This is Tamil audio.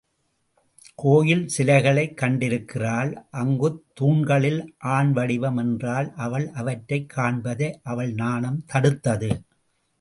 கோயில் சிலைகளைக் கண்டிருக்கிறாள் அங்குத் தூண்களில் ஆண்வடிவம் என்றால் அவள் அவற்றைக் காண்பதை அவள் நாணம் தடுத்தது.